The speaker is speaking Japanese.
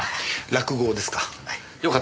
落語ですか？